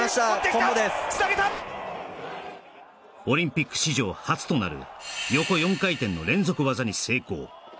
オリンピック史上初となる横４回転の連続技に成功